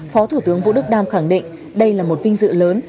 phó thủ tướng vũ đức đam khẳng định đây là một vinh dự lớn